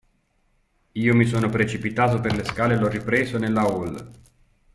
Io mi sono precipitato per le scale e l'ho ripreso nella hall.